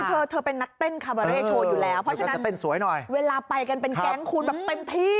เธอเธอเป็นนักเต้นคาเบอร์เร่โชว์อยู่แล้วเพราะฉะนั้นเธอเต้นสวยหน่อยเวลาไปกันเป็นแก๊งคูณแบบเต็มที่